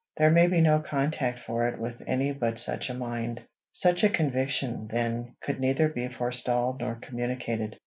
There may be no contact for it with any but such a mind. Such a conviction, then, could neither be forestalled nor communicated.